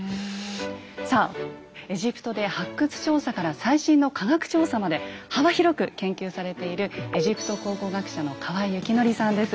さあエジプトで発掘調査から最新の科学調査まで幅広く研究されているエジプト考古学者の河江肖剰さんです。